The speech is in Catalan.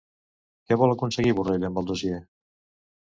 Què vol aconseguir Borrell amb el dossier?